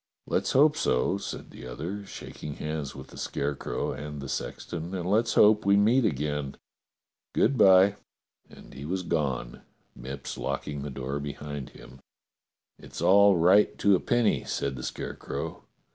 " "Let's hope so," said the other, shaking hands with the Scarecrow and the sexton, "and let's hope we meet again. Good bye." And he was gone, IViipps locking the door behind him. " It's all right to a penny," said the Scarecrow.